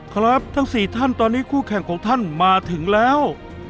ครับทั้ง๔ท่านตอนนี้คู่แข่งของท่านมาถึงแล้ว